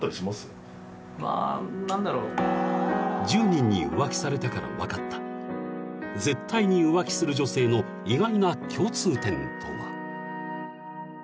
［１０人に浮気されたから分かった絶対に浮気する女性の意外な共通点とは？］